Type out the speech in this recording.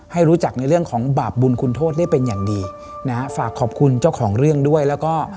ให้รู้จักในเรื่องของบาปบุญคุณโทษได้เป็นอย่างดีนะฮะฝากขอบคุณเจ้าของเรื่องด้วยแล้วก็